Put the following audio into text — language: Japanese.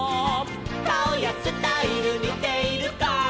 「かおやスタイルにているか」